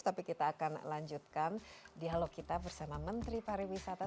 tapi kita akan lanjutkan dialog kita bersama menteri pariwisata